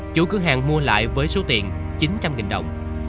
chủ cửa hàng mua lại với số tiền chín trăm linh đồng